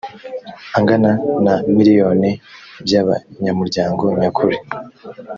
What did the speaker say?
angana na miliyoni by’abanyamuryango nyakuri